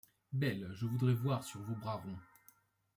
Belles, je voudrais voir sur vos bras ronds